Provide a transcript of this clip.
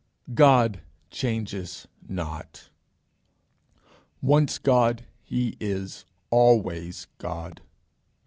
God changes not. Once God he is always God.